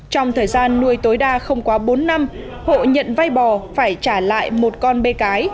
trong thời gian nuôi tối đa không quá bốn năm hộ nhận vay bò phải trả lại một con bê cái